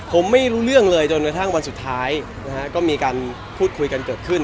ผมไม่รู้เรื่องเลยจนกระทั่งวันสุดท้ายนะฮะก็มีการพูดคุยกันเกิดขึ้น